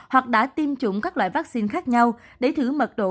hoặc đã tiêm chủng các loại vaccine khác nhau để thử mật độ